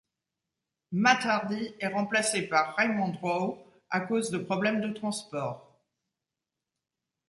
Matt Hardy est remplacé par Raymond Rowe à cause de problèmes de transports.